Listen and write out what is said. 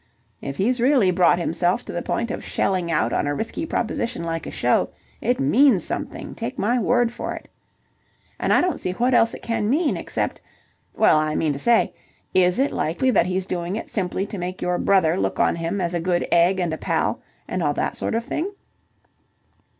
If he's really brought himself to the point of shelling out on a risky proposition like a show, it means something, take my word for it. And I don't see what else it can mean except... well, I mean to say, is it likely that he's doing it simply to make your brother look on him as a good egg and a pal, and all that sort of thing?"